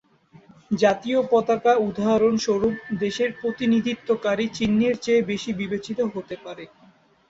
জাতীয় পতাকা, উদাহরণস্বরূপ, দেশের প্রতিনিধিত্বকারী চিহ্নের চেয়ে বেশি বিবেচিত হতে পারে।